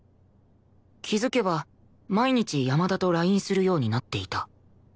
気づけば毎日山田とラインするようになっていた